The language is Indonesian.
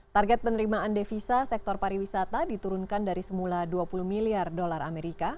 target penerimaan devisa sektor pariwisata diturunkan dari semula dua puluh miliar dolar amerika